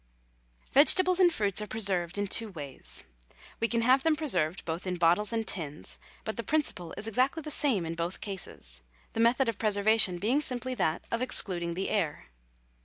Vegetables and fruits are preserved in two ways. We can have them preserved both in bottles and tins, but the principle is exactly the same in both cases, the method of preservation being simply that of excluding the air.